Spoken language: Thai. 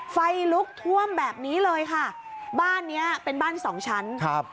ไฟลุกท่วมแบบนี้เลยค่ะบ้านเนี้ยเป็นบ้านสองชั้นครับ